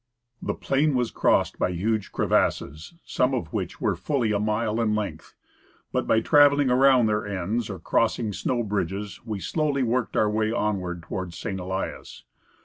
The plain was crossed by huge crevasses, some of which were fully a mile in length ; but by traveling around their ends or crossing snow bridges we slowly worked our way onward toward St. Elias.